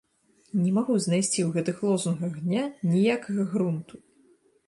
Не магу знайсці ў гэтых лозунгах дня ніякага грунту!